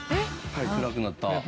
はい暗くなった。